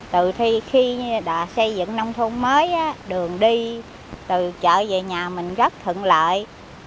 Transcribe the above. từ khi đã xây dựng nông thuân mới đường đi từ chợ về nhà mình rất thuận lợi